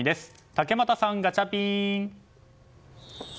竹俣さん、ガチャピン！